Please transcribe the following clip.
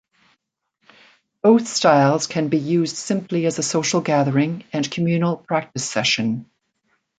Both styles can be used simply as a social gathering and communal practice session.